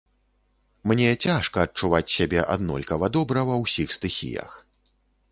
Мне цяжка адчуваць сябе аднолькава добра ва ўсіх стыхіях.